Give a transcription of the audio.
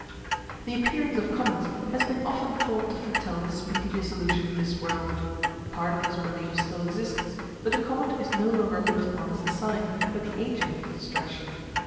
The appearance of comets has been often thought to foretell the speedy dissolution of this world. Part of this belief still exists; but the comet is no longer looked upon as the sign, but the agent of destruction.